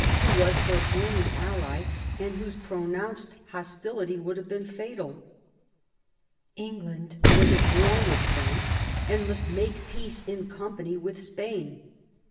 who was her only ally, and whose pronounced hostility would have been fatal. England was at war with France and must make peace in company with Spain.